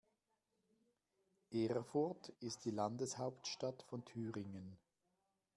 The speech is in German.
Erfurt ist die Landeshauptstadt von Thüringen.